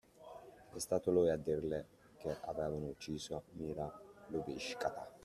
È stato lui a dirle che avevano ucciso Mira Lubiskaja.